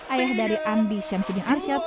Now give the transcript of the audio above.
ayah dari andi syamsudin arsyad